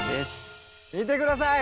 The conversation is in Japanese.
見てください！